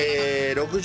６０！